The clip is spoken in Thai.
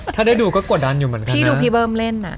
ถ้าได้ดูก็กดดันอยู่เหมือนกันที่ดูพี่เบิ้มเล่นอ่ะ